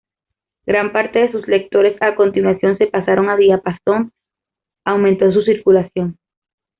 Gran parte de sus lectores, a continuación, se pasaron a "Diapason", aumento su circulación.